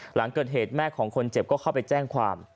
หลังเกิดเหตุแม่ของคนเจ็บก็เข้าไปแจ้งความ